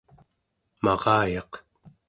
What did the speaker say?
marayaq